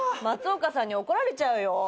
松岡さんに怒られちゃうよ。